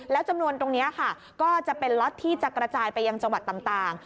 แล้วจำนวนตรงนี้ค่ะก็จะเป็นล็อตที่จะกระจายไปยังจังหวัดต่าง